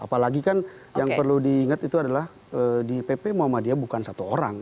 apalagi kan yang perlu diingat itu adalah di pp muhammadiyah bukan satu orang